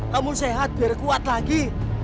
kamu sehat biar kuat lagi